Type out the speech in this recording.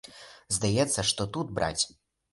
Здаецца, што тут браць?